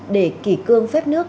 để kỳ cương phép nước